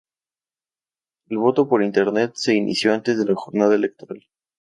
El voto por Internet se inició antes de la jornada electoral.